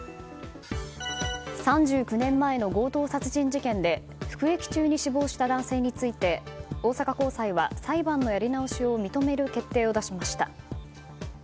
３９年前の強盗殺人事件で服役中に死亡した男性について大阪高裁は裁判のやり直しを認める決定を出しました。